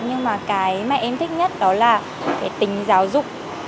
nhưng mà cái mà em thích nhất đó là tình giáo dục